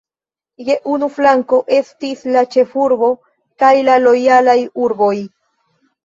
Je unu flanko estis la ĉefurbo kaj la lojalaj urboj.